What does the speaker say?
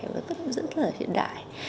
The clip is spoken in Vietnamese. và vẫn rất là hiện đại